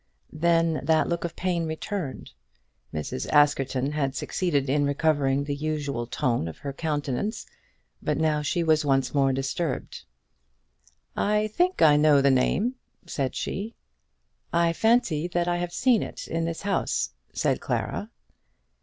Then that look of pain returned. Mrs. Askerton had succeeded in recovering the usual tone of her countenance, but now she was once more disturbed. "I think I know the name," said she. "I fancy that I have seen it in this house," said Clara.